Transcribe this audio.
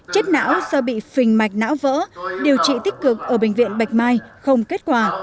chết não do bị phình mạch não vỡ điều trị tích cực ở bệnh viện bạch mai không kết quả